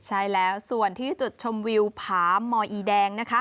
ใช่แล้วส่วนที่จุดชมวิวผามอีแดงนะคะ